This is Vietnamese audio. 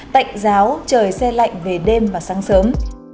tạnh giáo trời xe lạnh về đêm và sáng sớm